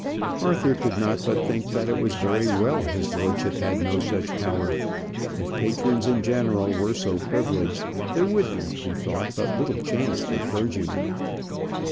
Arthur could not but think that it was very well his lordship had no such power. If patrons in general were so privileged there would be, he thought, but little chance for clergymen.